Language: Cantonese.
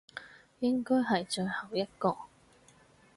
應該係最後一個